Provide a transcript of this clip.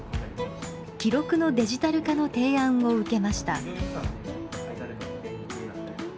記録のデジタル化の提案を受けました。